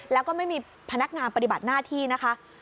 แล้วก็ไม่มีพนักงานปฏิบัติหน้าที่นะคะ